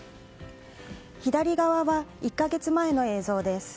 左側が１か月前の映像です。